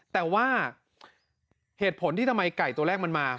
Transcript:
แต่ว่าเหตุผลที่ทำไมไก่ตัวแรกมันมา